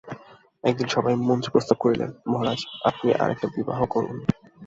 এক দিন সভায় মন্ত্রী প্রস্তাব করিলেন, মহারাজ, আপনি আর-একটি বিবাহ করুন।